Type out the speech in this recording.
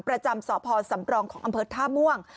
ประจำสพสำรองของอำเภอท่าม่วง